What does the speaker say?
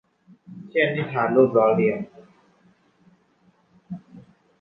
เช่น นิทาน รูปล้อเลียน